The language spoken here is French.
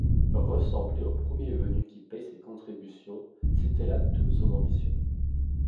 Ressembler au premier venu qui paye ses contributions, c’était là toute son ambition.